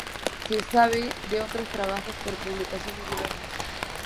Se sabe de otros trabajos por publicaciones diversas.